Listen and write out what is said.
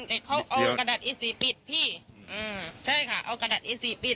เด็กเขาเอากระดาษอีสี่ปิดพี่อ่าใช่ค่ะเอากระดาษอีสี่ปิด